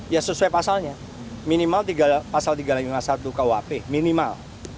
ya sesuai pasalnya minimal pasal tiga ratus lima puluh satu kuhp minimal